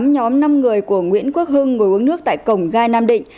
tám nhóm năm người của nguyễn quốc hưng ngồi uống nước tại cổng gai nam định